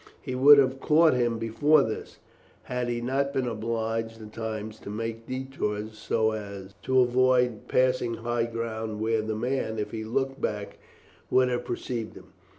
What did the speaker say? He would have caught him before this, had he not been obliged at times to make detours so as to avoid passing high ground, where the man, if he looked back, would have perceived him.